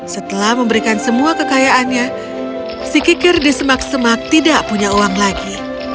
setelah memberikan semua kekayaannya si kikir disemak semak tidak punya uang lagi